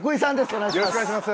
お願いします。